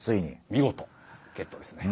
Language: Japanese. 見事ゲットですね。